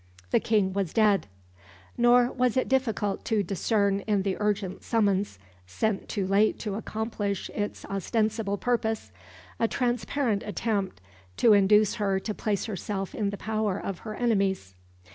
The King was dead; nor was it difficult to discern in the urgent summons, sent too late to accomplish its ostensible purpose, a transparent attempt to induce her to place herself in the power of her enemies.